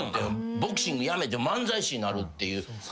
ボクシング辞めて漫才師になるっていう。